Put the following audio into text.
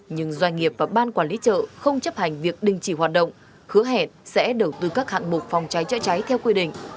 nhưng doanh nghiệp và ban quản lý chợ không chấp hành việc đình chỉ hoạt động hứa hẹn sẽ đầu tư các hạng mục phòng cháy chữa cháy theo quy định